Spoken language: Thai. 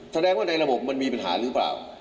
แสดงว่าในระบบมันมีปัญหาหรือเปล่า